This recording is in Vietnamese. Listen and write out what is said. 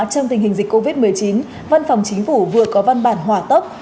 trong tình hình dịch covid một mươi chín văn phòng chính phủ vừa có văn bản hỏa tốc